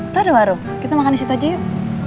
taduh aro kita makan di situ aja yuk